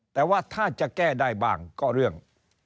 แต่ว่าถ้าจะแก้ได้บ้างก็เรื่อง